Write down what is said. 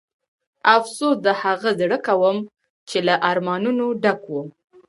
افسوس د هغه زړه کوم چې له ارمانونو ډک و.